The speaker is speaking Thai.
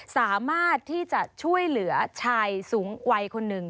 สามารถที่จะช่วยเหลือชายสูงวัยคนหนึ่ง